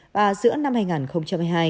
vào giữa năm hai nghìn hai mươi hai